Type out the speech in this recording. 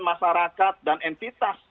masyarakat dan entitas